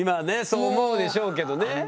そう思うでしょうけどね。